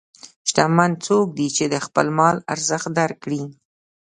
شتمن څوک دی چې د خپل مال ارزښت درک کړي.